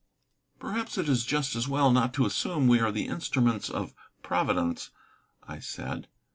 "Perhaps it is just as well not to assume we are the instruments of Providence," I said.